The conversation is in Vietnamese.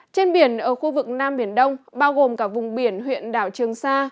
trên biển ở khu vực nam biển đông bao gồm cả vùng biển huyện đảo trường sa